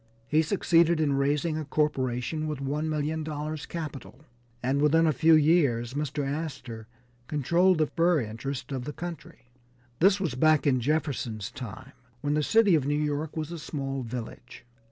He succeeded in raising a corporation with $1,000,000 capital, and within a few years Mr. Astor controlled the fur interests of the country. This was back in Jefferson's time when the city of New York was a small village.